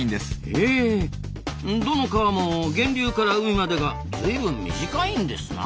へどの川も源流から海までが随分短いんですな。